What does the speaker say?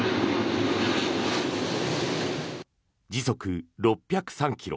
時速６０３ｋｍ。